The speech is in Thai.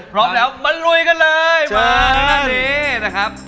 พร้อมแล้วมาลุยกันเลยมาอันนี้นะครับ